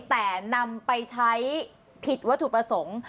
แต่นำไปใช้ผิดวัตถุประสงค์